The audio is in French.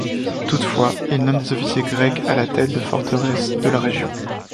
Toutefois, il nomme des officiers grecs à la tête des forteresses de la région.